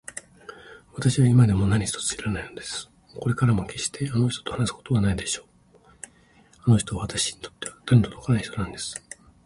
わたしは今でも何一つ知らないのです。これからもけっしてあの人と話すことはないでしょうし、あの人はわたしにとっては手のとどかない人なんです。